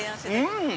◆うん！